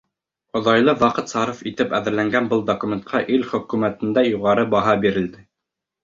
Оҙайлы ваҡыт сарыф итеп әҙерләнгән был документҡа ил Хөкүмәтендә юғары баһа бирелде.